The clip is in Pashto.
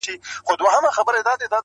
• د کور ټول غړي چوپ دي او وېره لري,